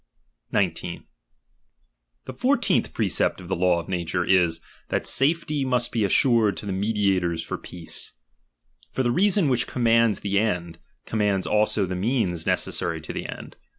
19. The fourteenth precept of the law of nature Th? cjurteemh is, that safety must be assured to the mediators s^itj otih,^ for peace. For the reason which commands theJ^^J^"^ end, commands also the means necessary to the end.